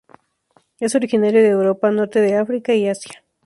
Es originario de Europa, Norte de África y Asia.